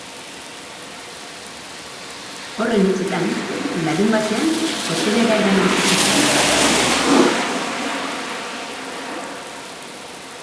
Horren hitzetan, larunbatean hoteletara eraman zituzten autobusez.